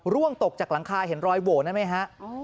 ร่วงตกจากหลังคาเห็นรอยโหนะไหมครับ